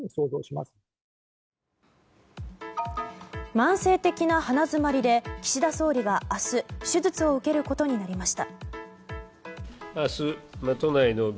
慢性的な鼻づまりで岸田総理が明日手術を受けることになりました。